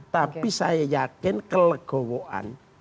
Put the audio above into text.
tapi saya yakin kelegawaan